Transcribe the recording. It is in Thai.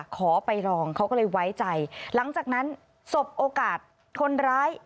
ขอไปลองเขาก็เลยไว้ใจหลังจากนั้นสบโอกาสคนร้าย